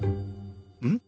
うん？